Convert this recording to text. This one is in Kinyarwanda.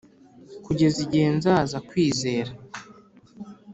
kugeza igihe nzaza kwizera.